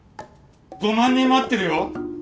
５万人待ってるよ！